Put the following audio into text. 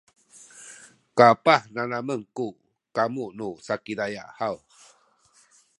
kapah nanamen ku kamu nu Sakizaya haw?